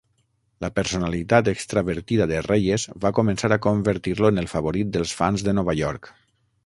La personalitat extravertida de Reyes va començar a convertir-lo en el favorit dels fans de Nova York.